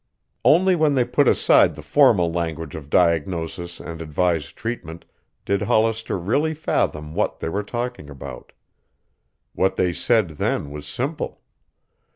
Only when they put aside the formal language of diagnosis and advised treatment did Hollister really fathom what they were talking about. What they said then was simple.